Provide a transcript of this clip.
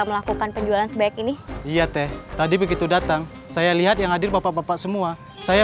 melakukan penjualan sebaik ini iya teh tadi begitu datang saya lihat yang hadir bapak bapak semua saya